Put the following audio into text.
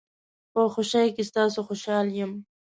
په خوشۍ کې ستاسو خوشحال یم.